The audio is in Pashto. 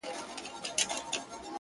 • زور لرو زلمي لرو خو مخ د بلا نه نیسي -